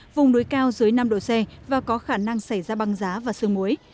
vùng núi cao dưới năm độ c và có khả năng xảy ra băng giá và sương muối